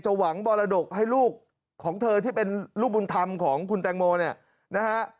หวังมรดกให้ลูกของเธอที่เป็นลูกบุญธรรมของคุณแตงโมเนี่ยนะฮะ